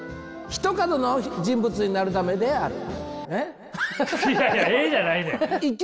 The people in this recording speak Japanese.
「ひと角の人物になるためである」。